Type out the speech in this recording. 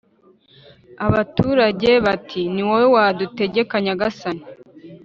abaturage Bati: "Ni wowe wadutegeka Nyagasani"